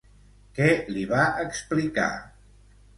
Què li va explicar?